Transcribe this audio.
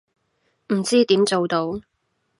唔知點做到